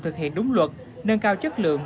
thực hiện đúng luật nâng cao chất lượng